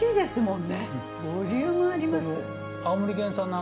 ボリュームあります。